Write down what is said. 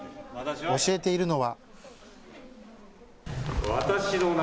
教えているのは。